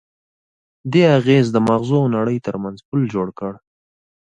دې اغېز د ماغزو او نړۍ ترمنځ پُل جوړ کړ.